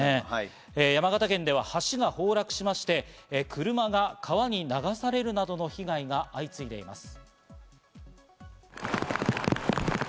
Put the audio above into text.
山形県では橋が崩落しまして、車が川に流されるなどの被害が相次いでいます。